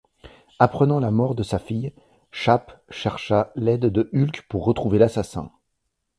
Apprenant la mort de sa fille, Shappe chercha l'aide de Hulk pour retrouver l'assassin.